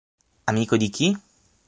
Amico di chi?